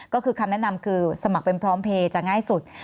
ก็คือคำแนะนำคือสมัครเป็นพร้อมเพลย์จะง่ายสุด